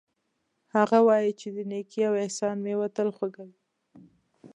هغه وایي چې د نیکۍ او احسان میوه تل خوږه وي